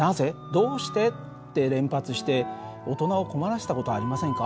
「どうして？」って連発して大人を困らせた事ありませんか？